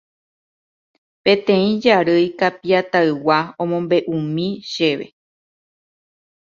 Peteĩ jarýi Kapi'atãygua omombe'úmi chéve